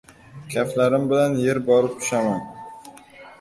Kaftlarim bilan yer borib tushaman.